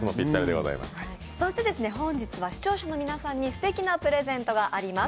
本日は視聴者の皆さんにすてきなプレゼントがあります。